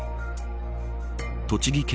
栃木県